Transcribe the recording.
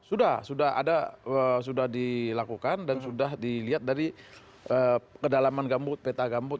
sudah sudah ada sudah dilakukan dan sudah dilihat dari kedalaman gambut peta gambut